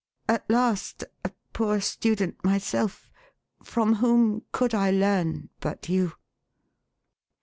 At last, a poor student myself, from whom could I learn but you